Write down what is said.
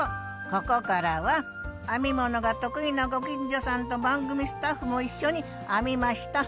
ここからは編み物が得意なご近所さんと番組スタッフも一緒に編みました。